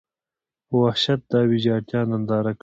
په وحشت دا ویجاړتیا ننداره کړه.